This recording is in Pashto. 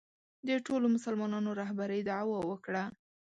د ټولو مسلمانانو رهبرۍ دعوا وکړه